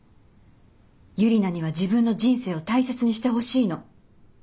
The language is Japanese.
ユリナには自分の人生を大切にしてほしいの。